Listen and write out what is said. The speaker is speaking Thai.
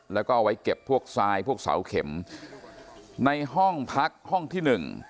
แล้วก็เอาไว้เก็บพวกทรายพวกเสาเข็มในห้องพักห้องที่หนึ่ง